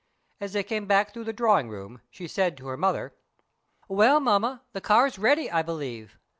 As they came back through the drawing room, she said to her mother: "Well, Mamma, the car's ready, I believe.